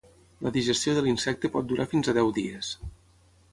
La digestió de l'insecte pot durar fins a deu dies.